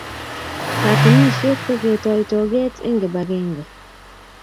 Katunisyet ko ketoi togeet eng kibagenge.